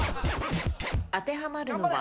当てはまるのは？